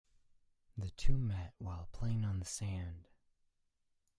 The two met while playing on the sand.